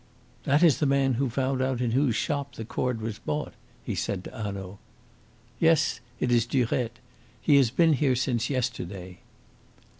"That is the man who found out in whose shop the cord was bought," he said to Hanaud. "Yes, it is Durette. He has been here since yesterday."